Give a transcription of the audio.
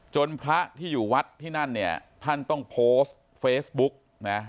พระที่อยู่วัดที่นั่นเนี่ยท่านต้องโพสต์เฟซบุ๊กนะ